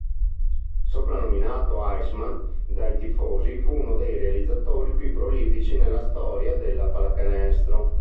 Soprannominato "Iceman" dai tifosi, fu uno dei realizzatori più prolifici nella storia della pallacanestro.